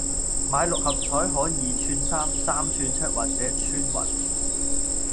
買六合彩可二串三、三串七或者穿雲